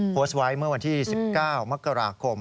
โพสต์ไว้เมื่อวันที่๑๙มกราคม